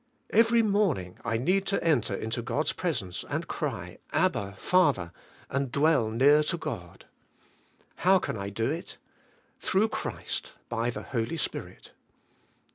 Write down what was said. Kvery morning I need to enter into God's presence and cry "Abba Father," and dwell near to God. How can I do it? Through Christ, by the Holy Spirit.